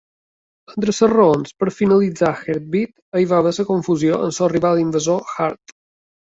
Entre les raons per finalitzar HertBeat hi va haver la confusió amb el rival invasor Heart.